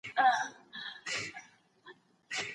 ښایي موږ له ماڼۍ څخه ډګر ته وړاندي لاړ سو.